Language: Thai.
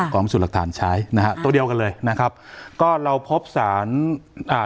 พิสูจน์หลักฐานใช้นะฮะตัวเดียวกันเลยนะครับก็เราพบสารอ่า